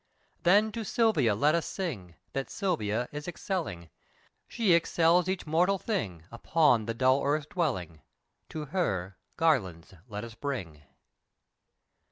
"Then to Silvia let us sing, That Silvia is excelling; She excels each mortal thing Upon the dull earth dwelling: To her, garlands let us bring."